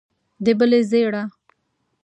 د بلې ژېړه.